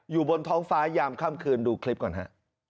อยู่บนท้องฟ้ายามค่ำคืนดูคลิปก่อนฮะ